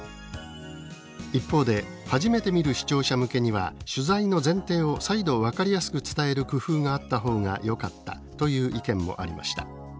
一方で「初めて見る視聴者向けには取材の前提を再度分かりやすく伝える工夫があった方がよかった」という意見もありました。